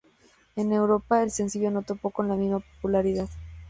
En Europa, el sencillo no topó con la misma popularidad.